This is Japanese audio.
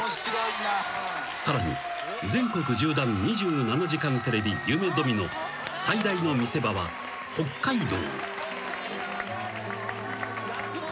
［さらに「全国縦断２７時間テレビ夢ドミノ」最大の見せ場は北海道］